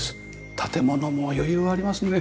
建物も余裕ありますね。